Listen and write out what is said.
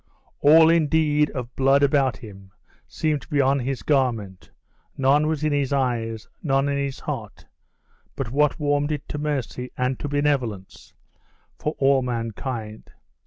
All, indeed, of blood about him seemed to be on his garment; none was in his eyes, none in his heart but what warmed it to mercy and to benevolence for all mankind.